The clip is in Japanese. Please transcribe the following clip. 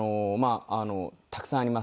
たくさんありますね。